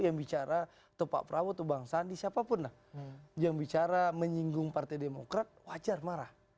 yang bicara tepak prabowo bangsa di siapapun yang bicara menyinggung partai demokrat wajar marah